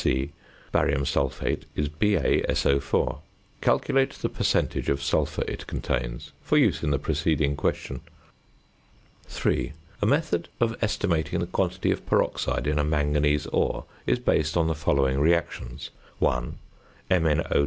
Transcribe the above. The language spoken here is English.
(c) Barium sulphate is BaSO_. Calculate the percentage of sulphur it contains, for use in the preceding question. 3. A method of estimating the quantity of peroxide in a manganese ore is based on the following reactions: (1) MnO_ + 4HCl = MnCl_ + Cl_ + 2H_O.